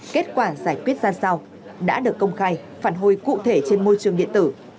kết quả giải quyết ra sao đã được công khai phản hồi cụ thể trên môi trường điện tử